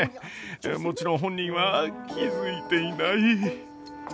もちろん本人は気付いていない。